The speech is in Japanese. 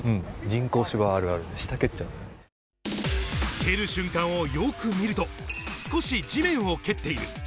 蹴る瞬間をよく見ると、少し地面を蹴っている。